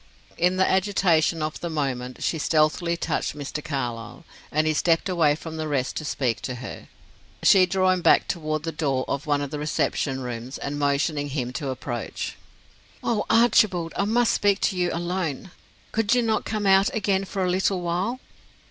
In the agitation of the moment she stealthily touched Mr. Carlyle, and he stepped away from the rest to speak to her, she drawing back toward the door of one of the reception rooms, and motioning him to approach. "Oh, Archibald, I must speak to you alone! Could you not come out again for a little while?"